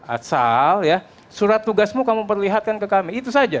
asal ya surat tugasmu kamu perlihatkan ke kami itu saja